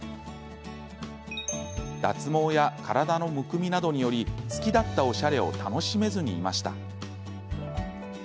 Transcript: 脱毛や体のむくみなどにより好きだったおしゃれを楽しめずにいました。